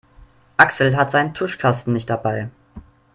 Axel hat seinen Tuschkasten nicht dabei.